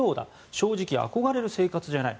正直憧れる生活じゃない。